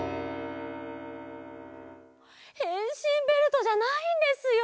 へんしんベルトじゃないんですよ。